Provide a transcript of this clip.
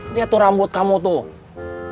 lihat tuh rambut kamu tuh